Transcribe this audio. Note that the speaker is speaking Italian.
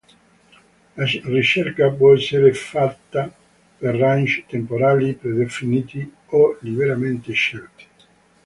La ricerca può essere fatta per range temporali predefiniti o liberamente scelti.